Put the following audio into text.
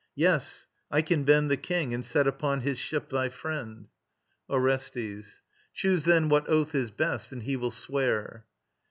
Yes: I can bend The King, and set upon his ship thy friend. ORESTES. Choose then what oath is best, and he will swear.